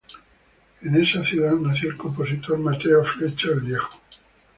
En esta ciudad nació el compositor Mateo Flecha el viejo.